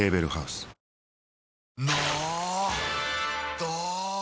ど！